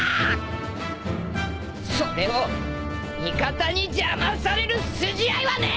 それを味方に邪魔される筋合いはねえ！